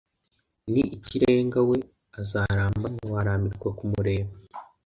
Ni ikirenga we azaramba Ntiwarambirwa kumureba